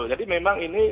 jadi memang ini